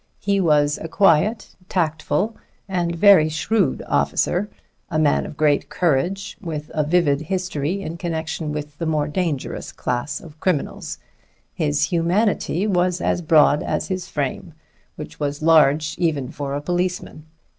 He was a quiet, tactful and very shrewd officer, a man of great courage, with a vivid history in connection with the more dangerous class of criminals. His humanity was as broad as his frame, which was large even for a policeman.